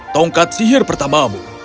tongkat sihir pertamamu